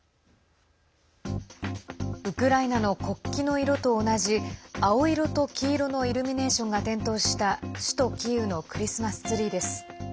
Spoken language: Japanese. ウクライナの国旗の色と同じ青色と黄色のイルミネーションが点灯した首都キーウのクリスマスツリーです。